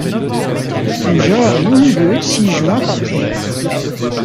Björn Inge s'y joint après.